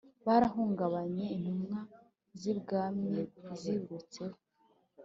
barahunganye intumwa zibwami zibirutseho